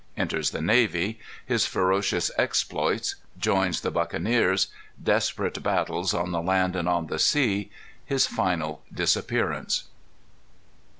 Enters the Navy. His Ferocious Exploits. Joins the Buccaneers. Desperate Battles on the Land and on the Sea. His Final Disappearance.